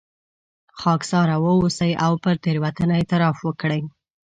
خاکساره واوسئ او پر تېروتنه اعتراف وکړئ.